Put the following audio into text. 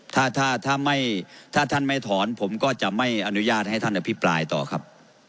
ถ้าถ้าท่านไม่ถอนผมก็จะไม่อนุญาตให้ท่านอภิปรายต่อครับ